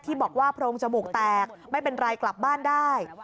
บอกว่าโพรงจมูกแตกไม่เป็นไรกลับบ้านได้